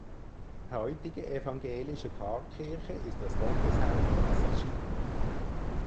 Heutige evangelische Pfarrkirche ist das Gotteshaus in Szczytno.